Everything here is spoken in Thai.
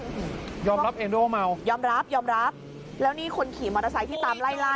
โอ้โหยอมรับเองด้วยว่าเมายอมรับยอมรับแล้วนี่คนขี่มอเตอร์ไซค์ที่ตามไล่ล่า